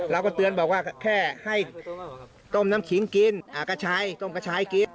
เราก็เตือนแบบว่าแค่ให้ต้มน้ำขิงกินกระชายกิน